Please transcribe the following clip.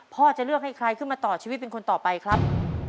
พ่อจะเลือกให้ใครขึ้นมาต่อชีวิตเป็นคนต่อไปครับ